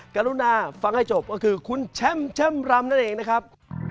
กรุณาฟังให้จบก็คือคุณแช่มรำนั่นเองนะครับ